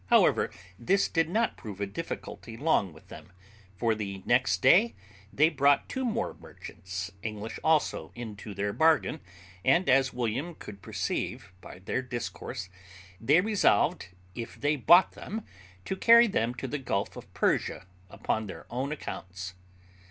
However, this did not prove a difficulty long with them, for the next day they brought two more merchants, English also, into their bargain, and, as William could perceive by their discourse, they resolved, if they bought them, to carry them to the Gulf of Persia upon their own accounts.